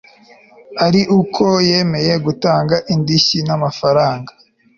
ari uko yemeye gutanga indishyi n amafaranga